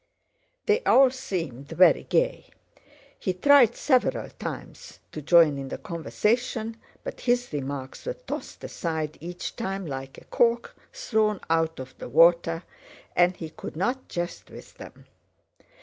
They all seemed very gay. He tried several times to join in the conversation, but his remarks were tossed aside each time like a cork thrown out of the water, and he could not jest with them.